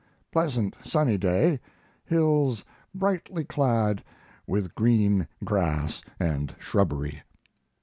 Pleasant sunny day, hills brightly clad with green grass and shrubbery.